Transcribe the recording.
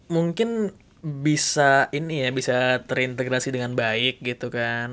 mungkin bisa ini ya bisa terintegrasi dengan baik gitu kan